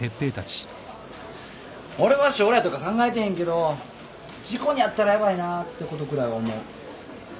俺は将来とか考えてへんけど事故に遭ったらヤバいなってことくらいは思う。